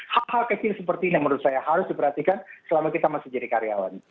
hal hal kecil seperti ini menurut saya harus diperhatikan selama kita masih jadi karyawan